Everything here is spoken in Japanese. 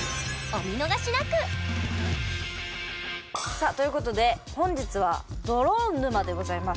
さあということで本日は「ドローン沼」でございます。